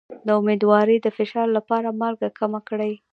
د امیدوارۍ د فشار لپاره مالګه کمه کړئ